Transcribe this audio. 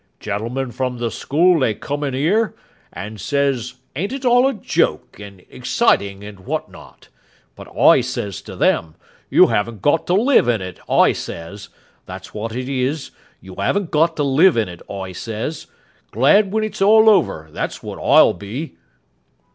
"Gentlemen from the school they come in 'ere and says ain't it all a joke and exciting and what not. But I says to them, you 'aven't got to live in it, I says. That's what it is. You 'aven't got to live in it, I says. Glad when it's all over, that's what I'll be."